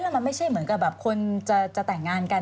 มันไม่ใช่เหมือนกับแบบคนจะแต่งงานกัน